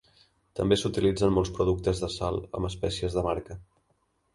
També s'utilitzen molts productes de sal amb espècies de marca.